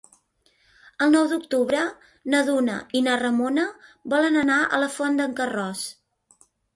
El nou d'octubre na Duna i na Ramona volen anar a la Font d'en Carròs.